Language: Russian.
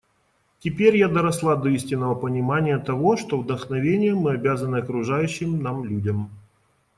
Теперь я доросла до истинного понимания того, что вдохновением мы обязаны окружающим нас людям.